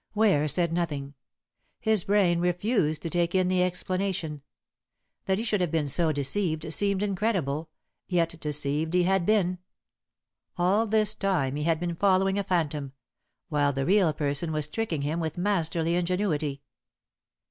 Ware said nothing. His brain refused to take in the explanation. That he should have been so deceived seemed incredible, yet deceived he had been. All this time he had been following a phantom, while the real person was tricking him with masterly ingenuity.